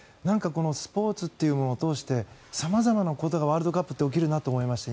スポーツというものを通して様々なことがワールドカップって起きるなと思いました。